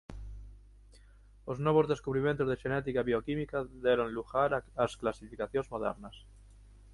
Os novos descubrimentos de xenética e bioquímica deron lugar ás clasificacións modernas.